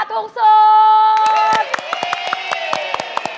ไฟทริปราคาถูกสุด